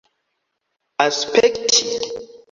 aspekti